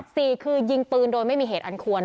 สี่คือยิงปืนโดยไม่มีเหตุอันควร